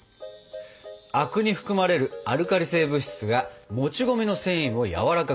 灰汁に含まれるアルカリ性物質がもち米の繊維をやわらかくする。